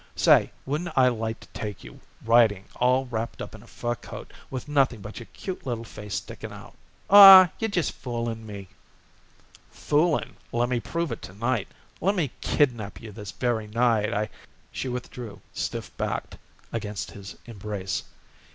Say, wouldn't I like to take you riding all wrapped up in a fur coat with nothing but your cute little face sticking out." "Aw, you're just fooling me." "Fooling! Lemme prove it, to night. Lemme kidnap you this very night. I " She withdrew stiff backed against his embrace.